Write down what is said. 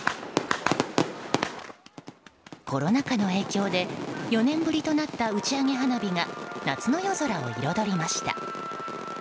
コロナ禍の影響で４年ぶりとなった打ち上げ花火が夏の夜空を彩りました。